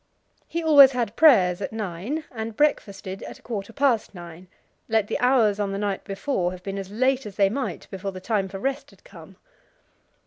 He always had prayers at nine, and breakfasted at a quarter past nine, let the hours on the night before have been as late as they might before the time for rest had come.